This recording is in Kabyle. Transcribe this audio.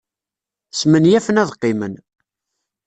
Smenyafen ad qqimen.